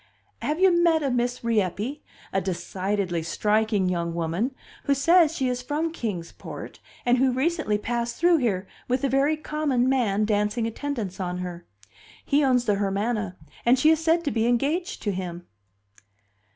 Have you, met a Miss Rieppe, a decidedly striking young woman, who says she is from Kings Port, and who recently passed through here with a very common man dancing attendance on her? He owns the Hermana, and she is said to be engaged to him."